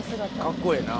かっこええな。